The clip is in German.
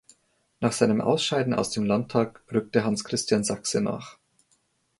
Nach seinem Ausscheiden aus dem Landtag rückte Hans-Christian Sachse nach.